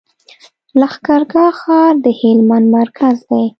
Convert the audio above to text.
لښکر ګاه ښار د هلمند مرکز دی.